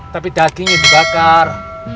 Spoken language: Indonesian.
tapi dagingnya dibakar